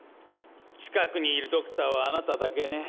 近くにいるドクターはあなただけね。